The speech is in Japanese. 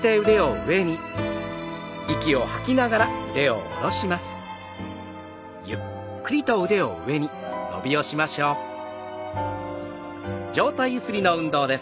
上体ゆすりの運動です。